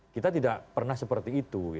kita tidak pernah seperti itu